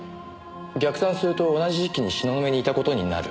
逆算すると同じ時期に東雲にいた事になる。